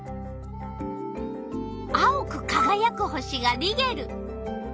青くかがやく星がリゲル。